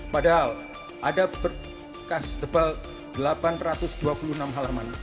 padahal ada berkas tebal delapan ratus dua puluh enam halaman